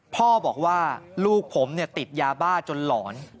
พ่อบอกว่าลูกผมติดยาบ้าจนหลอน